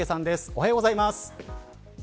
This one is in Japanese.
おはようございます。